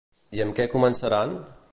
I amb què començaran?